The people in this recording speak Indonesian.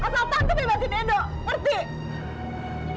asal tante bebasin edo berhenti